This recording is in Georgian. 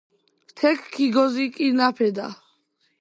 თექ ქიგოზიკინაფედა